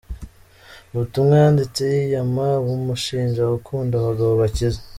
Ubutumwa yanditse yiyama abamushinja gukunda abagabo bakize.